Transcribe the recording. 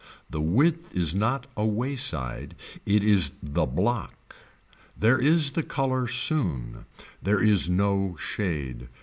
The width is not a wayside it is the block. There is the color soon. There is no shade.